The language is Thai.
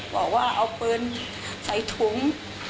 บอกว่าเอาปืนใส่ถุง